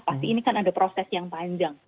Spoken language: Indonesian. pasti ini kan ada proses yang panjang